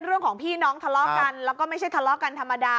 เรื่องของพี่น้องทะเลาะกันแล้วก็ไม่ใช่ทะเลาะกันธรรมดา